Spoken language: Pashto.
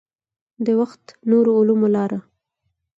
د وخت نورو علومو لاره.